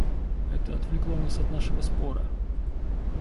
Это отвлекло нас от нашего спора.